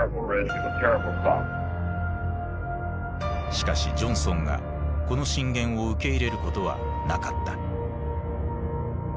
しかしジョンソンがこの進言を受け入れることはなかった。